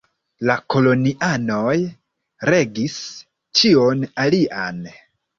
La kolonianoj regis ĉion alian.